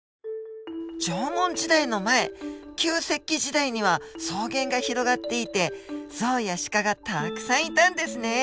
縄文時代の前旧石器時代には草原が広がっていてゾウやシカがたくさんいたんですね。